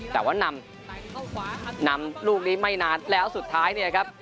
แต่ว่านำลูกนี้ไม่นานแล้วสุดท้ายเนี่ยครับ